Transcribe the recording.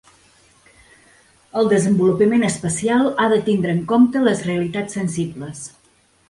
El desenvolupament espacial ha de tindre en compte les realitats sensibles.